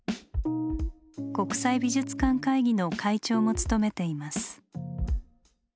国際美術館会議の会長も務めています。